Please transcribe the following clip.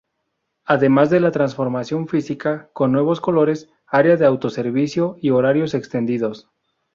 Además de la transformación física con nuevos colores, área de autoservicio y horarios extendidos.